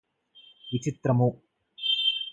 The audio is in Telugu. విచిత్రము !